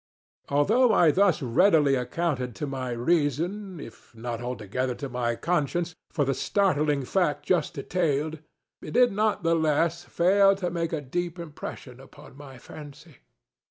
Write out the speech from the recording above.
Although I thus readily accounted to my reason, if not altogether to my conscience, for the startling fact just detailed, it did not the less fail to make a deep impression upon my fancy.